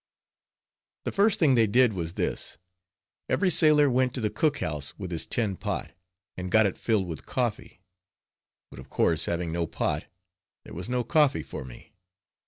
The first thing they did was this. Every sailor went to the cook house with his tin pot, and got it filled with coffee; but of course, having no pot, there was no coffee for me.